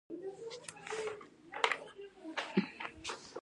بزګان د افغانستان د سیلګرۍ برخه ده.